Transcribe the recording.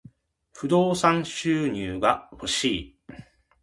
不動産収入が欲しい。